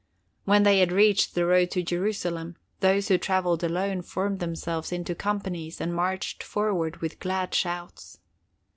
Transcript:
When they had reached the road to Jerusalem, those who traveled alone formed themselves into companies and marched forward with glad shouts.